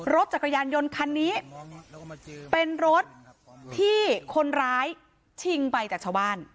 รถจักรยานยนต์คันนี้เป็นรถที่คนร้ายชิงไปจากชาวบ้าน